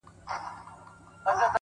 سکون له دننه پیدا کېږي،